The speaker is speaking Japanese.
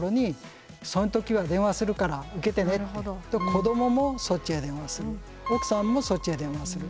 子どももそっちへ電話する奥さんもそっちへ電話する。